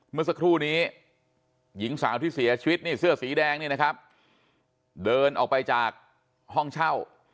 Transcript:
เมื่อสักครู่นี้หญิงสาวที่เสียชีวิตนี่เสื้อสีแดงนี่นะครับเดินออกไปจากห้องเช่า